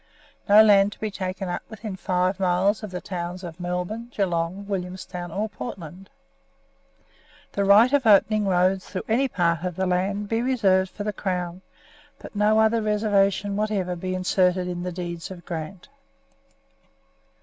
"No land to be taken up within five miles of the towns of Melbourne, Geelong, Williamstown, or Portland. "The right of opening roads through any part of the land to be reserved for the Crown, but no other reservation whatever to be inserted in the Deeds of Grant."